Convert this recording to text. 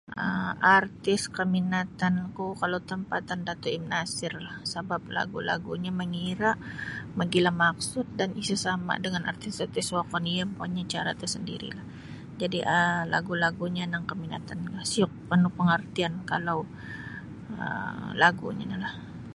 Artis kaminatan ku kalau tampatan Dato M Nasir lah sabab lagu-lagunyo mangira mogilo maksud dan isa sama dengan artis-artis wokon iyo mampunyai cara tersendiri lah jadi um lagu-lagunyo kaminatan ku lah siuk penuh pengertian kalau um lagunyo ino lah.